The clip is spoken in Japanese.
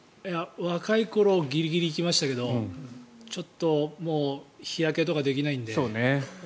若い頃ギリギリ、行きましたけどちょっともう日焼けとかできないんで。